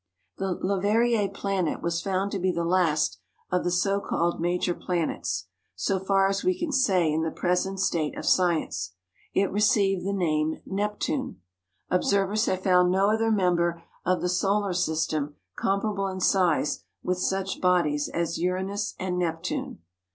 The Leverrier planet was found to be the last of the so called major planets, so far as we can say in the present state of science. It received the name Neptune. Observers have found no other member of the solar system comparable in size with such bodies as Uranus and Neptune.